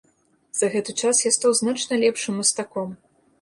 За гэты час я стаў значна лепшым мастаком.